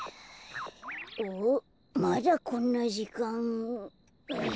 おっまだこんなじかん。